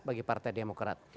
bagi partai demokrat